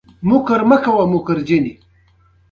بادام د افغانستان په طبیعت کې مهم رول لري.